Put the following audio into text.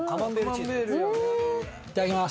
いただきます。